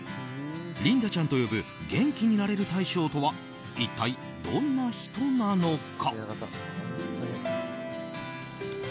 リンダちゃんと呼ぶ元気になれる大将とは一体どんな人なのか。